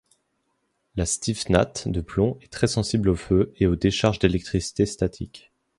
Le styphnate de plomb est très sensible au feu et aux décharges d'électricité statique.